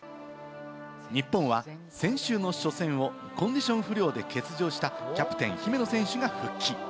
日本は先週の初戦をコンディション不良で欠場したキャプテン・姫野選手が復帰。